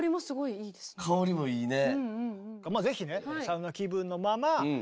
香りもいいね。